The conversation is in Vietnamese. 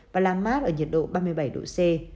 và làm mát ở nhiệt độ ba mươi bảy độ c